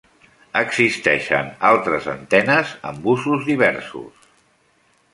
Existeixen altres antenes que amb usos diversos.